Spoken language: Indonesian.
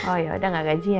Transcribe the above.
oh yaudah gak gaji ya